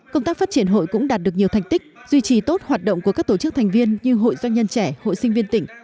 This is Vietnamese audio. công tác phát triển hội cũng đạt được nhiều thành tích duy trì tốt hoạt động của các tổ chức thành viên như hội doanh nhân trẻ hội sinh viên tỉnh